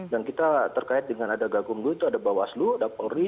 dan kita terkait dengan ada gagumlu itu ada bawaslu ada polri